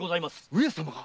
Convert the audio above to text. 上様が⁉